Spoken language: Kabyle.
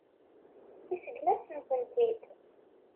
Iseggem-asent-tent.